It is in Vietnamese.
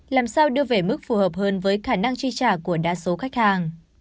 làm sao đưa về mức phù hợp hơn với khả năng chi trả của đa số khách hàng